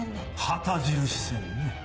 旗印戦ね。